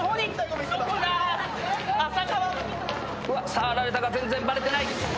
触られたが全然バレてない。